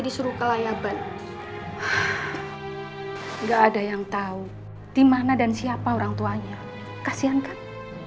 disuruh ke layaban nggak ada yang tahu dimana dan siapa orang tuanya kasihan kan